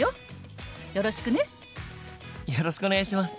よろしくお願いします。